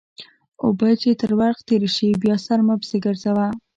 اوبه چې تر ورخ تېرې شي؛ بیا سر مه پسې ګرځوه.